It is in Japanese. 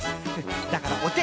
だからおて！